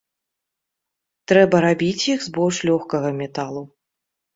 Трэба рабіць іх з больш лёгкага металу.